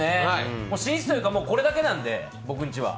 寝室というか、もうこれだけなので、僕んちは。